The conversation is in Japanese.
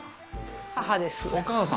母です。